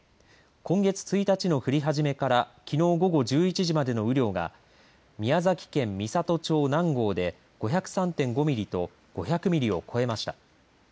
今月１日の降り始めからきのう午後１１時までの雨量が宮崎県美郷町南郷で５０３．５ミリと５００ミリを超えました。